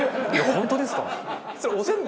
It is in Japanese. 本当ですか？